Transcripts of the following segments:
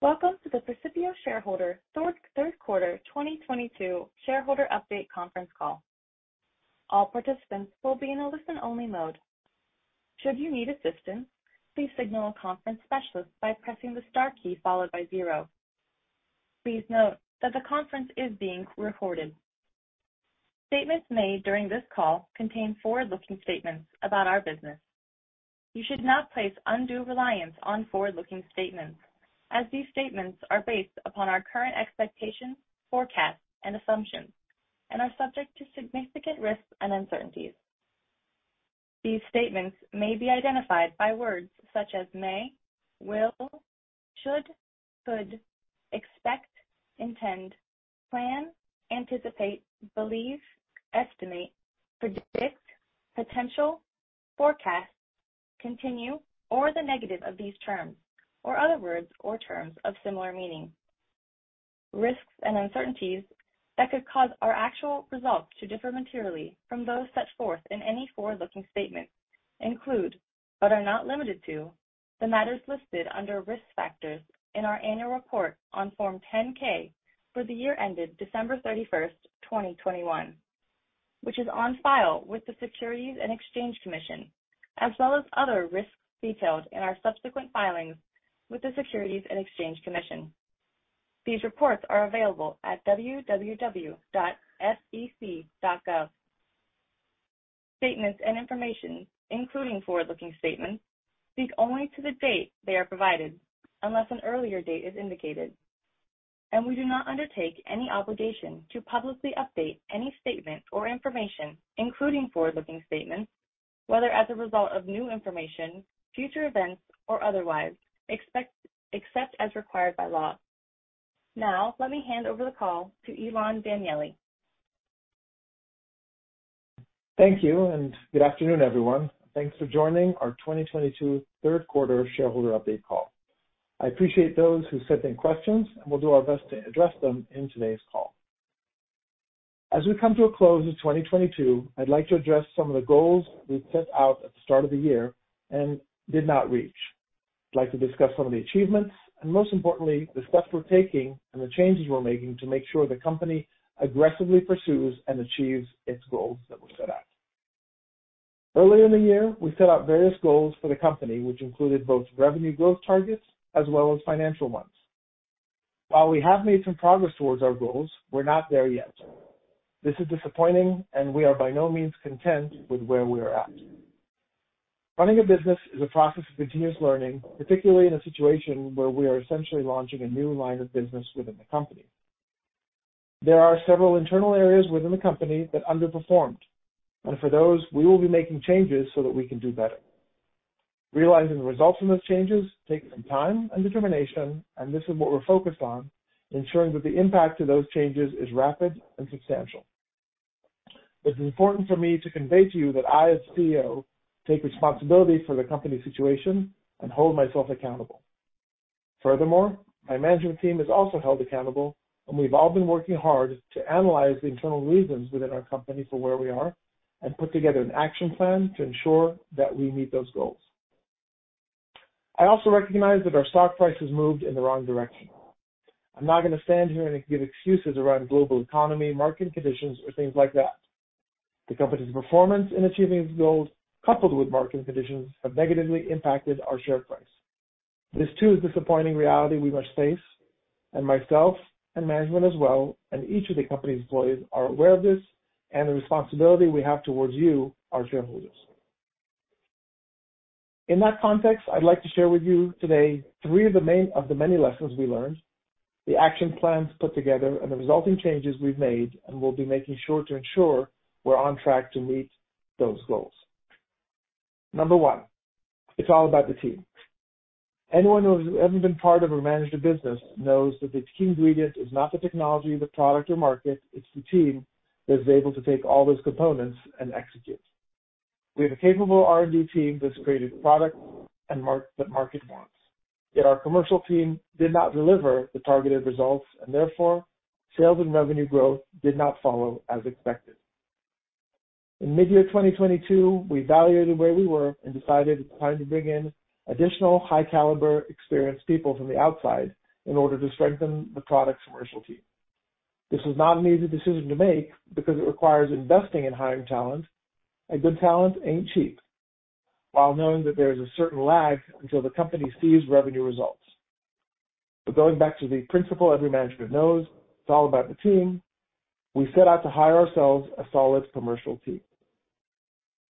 Welcome to the Precipio shareholder third quarter 2022 shareholder update conference call. All participants will be in a listen-only mode. Should you need assistance, please signal a conference specialist by pressing the star key followed by zero. Please note that the conference is being recorded. Statements made during this call contain forward-looking statements about our business. You should not place undue reliance on forward-looking statements as these statements are based upon our current expectations, forecasts, and assumptions and are subject to significant risks and uncertainties. These statements may be identified by words such as may, will, should, could, expect, intend, plan, anticipate, believe, estimate, predict, potential, forecast, continue, or the negative of these terms, or other words or terms of similar meaning. Risks and uncertainties that could cause our actual results to differ materially from those set forth in any forward-looking statements include, but are not limited to, the matters listed under Risk Factors in our annual report on Form 10-K for the year ended December 31, 2021, which is on file with the Securities and Exchange Commission, as well as other risks detailed in our subsequent filings with the Securities and Exchange Commission. These reports are available at www.sec.gov. Statements and information, including forward-looking statements, speak only to the date they are provided, unless an earlier date is indicated. We do not undertake any obligation to publicly update any statement or information, including forward-looking statements, whether as a result of new information, future events, or otherwise, except as required by law. Now, let me hand over the call to Ilan Danieli. Thank you, and good afternoon, everyone. Thanks for joining our 2022 third quarter shareholder update call. I appreciate those who sent in questions and we'll do our best to address them in today's call. As we come to a close of 2022, I'd like to address some of the goals we set out at the start of the year and did not reach. I'd like to discuss some of the achievements and most importantly, the steps we're taking and the changes we're making to make sure the company aggressively pursues and achieves its goals that were set out. Earlier in the year, we set out various goals for the company, which included both revenue growth targets as well as financial ones. While we have made some progress towards our goals, we're not there yet. This is disappointing and we are by no means content with where we are at. Running a business is a process of continuous learning, particularly in a situation where we are essentially launching a new line of business within the company. There are several internal areas within the company that underperformed, and for those, we will be making changes so that we can do better. Realizing the results from those changes takes some time and determination, and this is what we're focused on, ensuring that the impact to those changes is rapid and substantial. It's important for me to convey to you that I, as CEO, take responsibility for the company situation and hold myself accountable. Furthermore, my management team is also held accountable and we've all been working hard to analyze the internal reasons within our company for where we are and put together an action plan to ensure that we meet those goals. I also recognize that our stock price has moved in the wrong direction. I'm not gonna stand here and give excuses around global economy, market conditions or things like that. The company's performance in achieving its goals, coupled with market conditions, have negatively impacted our share price. This too is a disappointing reality we must face, and myself, and management as well, and each of the company's employees are aware of this and the responsibility we have towards you, our shareholders. In that context, I'd like to share with you today three of the many lessons we learned, the action plans put together and the resulting changes we've made and will be making sure to ensure we're on track to meet those goals. Number one, it's all about the team. Anyone who's ever been part of or managed a business knows that the key ingredient is not the technology, the product or market, it's the team that is able to take all those components and execute. We have a capable R&D team that's created product that market wants, yet our commercial team did not deliver the targeted results and therefore, sales and revenue growth did not follow as expected. In mid-year 2022, we evaluated where we were and decided it's time to bring in additional high caliber experienced people from the outside in order to strengthen the product's commercial team. This was not an easy decision to make because it requires investing and hiring talent, and good talent ain't cheap, while knowing that there is a certain lag until the company sees revenue results, going back to the principle every management knows, it's all about the team, we set out to hire ourselves a solid commercial team.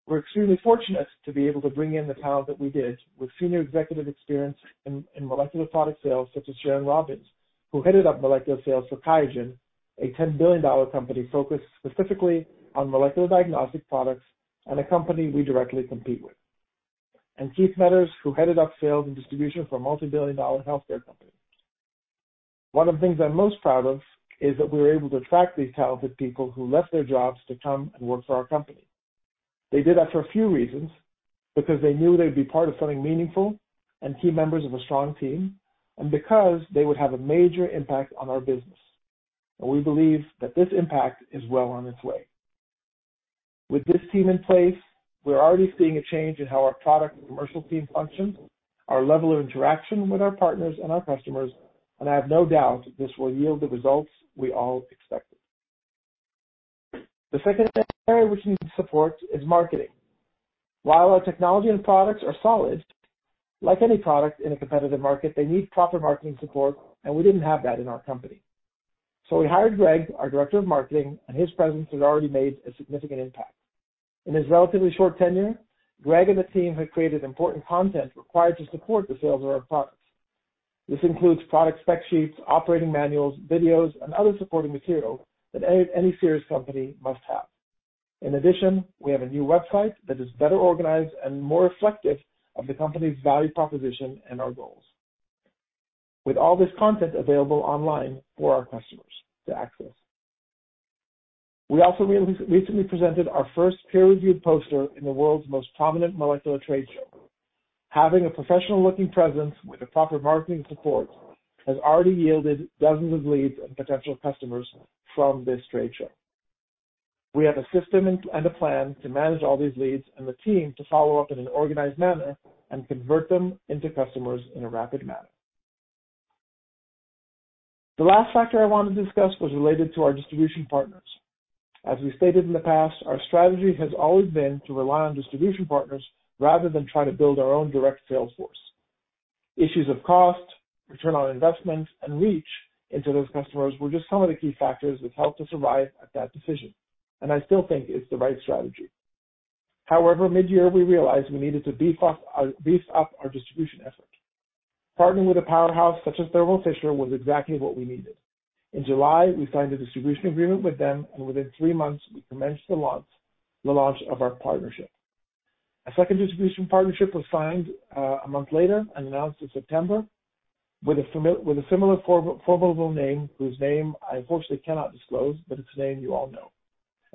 We're extremely fortunate to be able to bring in the talent that we did with senior executive experience in molecular product sales, such as Sharon Robins, who headed up molecular sales for QIAGEN, a $10 billion company focused specifically on molecular diagnostic products and a company we directly compete with. Keith Meadors, who headed up sales and distribution for a multi-billion-dollar healthcare company. One of the things I'm most proud of is that we were able to attract these talented people who left their jobs to come and work for our company. They did that for a few reasons, because they knew they'd be part of something meaningful and key members of a strong team, and because they would have a major impact on our business. We believe that this impact is well on its way. With this team in place, we're already seeing a change in how our product commercial team functions, our level of interaction with our partners and our customers, and I have no doubt that this will yield the results we all expected. The second area which needs support is marketing. While our technology and products are solid, like any product in a competitive market, they need proper marketing support and we didn't have that in our company. We hired Greg, our Director of Marketing, and his presence has already made a significant impact. In his relatively short tenure, Greg and the team have created important content required to support the sales of our products. This includes product spec sheets, operating manuals, videos, and other supporting material that any serious company must have. In addition, we have a new website that is better organized and more reflective of the company's value proposition and our goals. With all this content available online for our customers to access. We also recently presented our first peer-reviewed poster in the world's most prominent molecular trade show. Having a professional-looking presence with the proper marketing support has already yielded dozens of leads and potential customers from this trade show. We have a system and a plan to manage all these leads and the team to follow up in an organized manner and convert them into customers in a rapid manner. The last factor I wanted to discuss was related to our distribution partners. As we stated in the past, our strategy has always been to rely on distribution partners rather than try to build our own direct sales force. Issues of cost, return on investment, and reach into those customers were just some of the key factors that helped us arrive at that decision, and I still think it's the right strategy. However, mid-year we realized we needed to beef up our distribution effort. Partnering with a powerhouse such as Thermo Fisher was exactly what we needed. In July, we signed a distribution agreement with them, and within three months, we commenced the launch of our partnership. A second distribution partnership was signed a month later and announced in September with a similar formidable name, whose name I unfortunately cannot disclose, but it's a name you all know.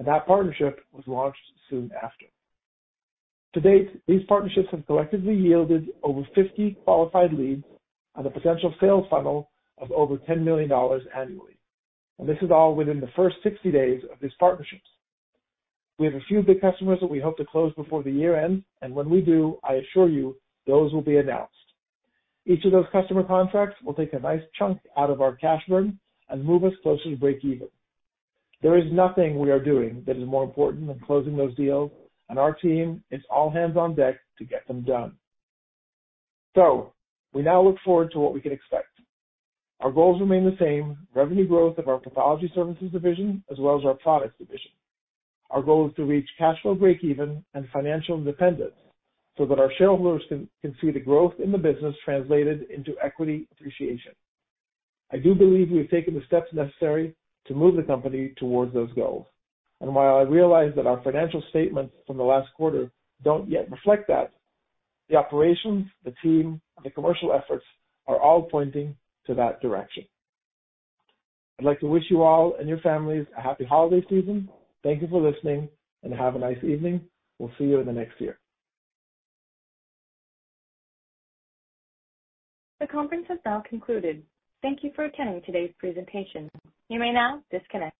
That partnership was launched soon after. To date, these partnerships have collectively yielded over 50 qualified leads and a potential sales funnel of over $10 million annually. This is all within the first 60 days of these partnerships. We have a few big customers that we hope to close before the year ends, and when we do, I assure you those will be announced. Each of those customer contracts will take a nice chunk out of our cash burn and move us closer to break even. There is nothing we are doing that is more important than closing those deals, and our team is all hands on deck to get them done. We now look forward to what we can expect. Our goals remain the same, revenue growth of our Pathology Services division as well as our Products Division. Our goal is to reach cash flow break even and financial independence so that our shareholders can see the growth in the business translated into equity appreciation. I do believe we've taken the steps necessary to move the company towards those goals. While I realize that our financial statements from the last quarter don't yet reflect that, the operations, the team, and the commercial efforts are all pointing to that direction. I'd like to wish you all and your families a happy holiday season. Thank you for listening and have a nice evening. We'll see you in the next year. The conference has now concluded. Thank you for attending today's presentation. You may now disconnect.